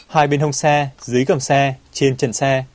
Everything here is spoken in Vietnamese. hai bên hồng xe dưới cầm xe trên trạm